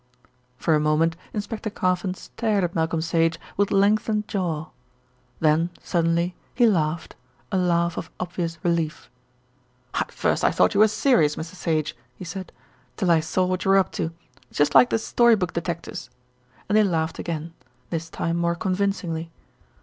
For a moment Inspector Carfon stared at Malcolm Sage with lengthened jaw. Then suddenly he laughed, a laugh of obvious relief. "At first I thought you were serious, Mr. Sage," he said, "till I saw what you were up to. It's just like the story book detectives," and he laughed again, this time more convincingly.